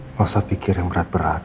nggak usah pikir yang berat berat